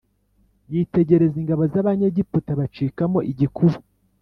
yitegereza ingabo z’abanyegiputa, bacikamo igikuba.